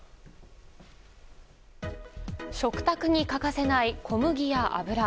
食卓に欠かせない小麦や油。